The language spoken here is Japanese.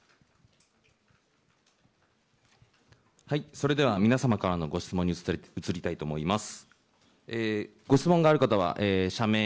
それでは皆様からのご質問に移ります。